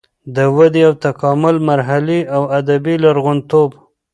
د ودې او تکامل مرحلې او ادبي لرغونتوب